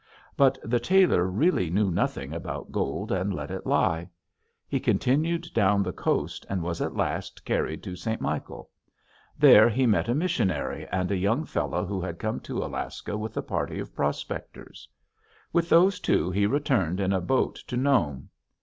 But the tailor really knew nothing about gold and let it lie. He continued down the coast and was at last carried to St. Michael. There he met a missionary and a young fellow who had come to Alaska with a party of prospectors. With those two he returned in a boat to Nome.